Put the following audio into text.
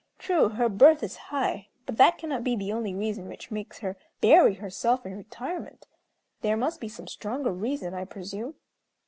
True, her birth is high; but that cannot be the only reason which makes her bury herself in retirement. There must be some stronger reason, I presume."